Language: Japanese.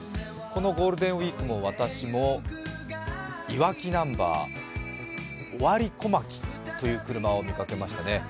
このゴールデンウイークも私も、いわきナンバー尾張小牧という車を見かけましたね。